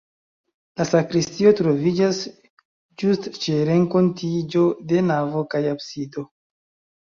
La sakristio troviĝas ĝustr ĉe renkontiĝo de navo kaj absido.